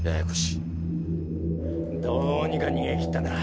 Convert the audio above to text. どうにか逃げきったな。